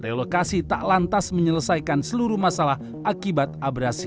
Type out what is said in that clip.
relokasi tak lantas menyelesaikan seluruh masalah akibat abrasi